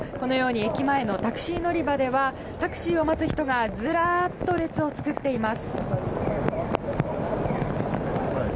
駅前のタクシー乗り場ではタクシーを待つ人たちがずらっと列を作っています。